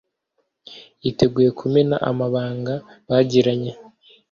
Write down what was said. yiteguye kumena amabanga bagiranye